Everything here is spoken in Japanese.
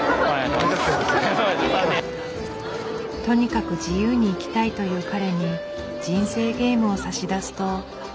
とにかく自由に生きたいという彼に人生ゲームを差し出すと。